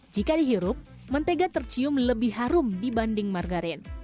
jika dihirup mentega tercium lebih harum dibanding margarin